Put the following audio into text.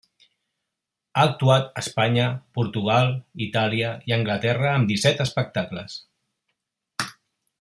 Ha actuat Espanya, Portugal, Itàlia i Anglaterra amb disset espectacles.